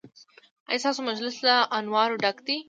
ایا ستاسو مجلس له انوارو ډک دی؟